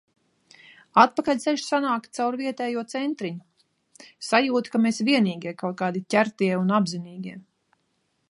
Atpakaļceļš sanāk caur vietējo centriņu. Sajūta, ka mēs vienīgie, kaut kādi ķertie un apzinīgie.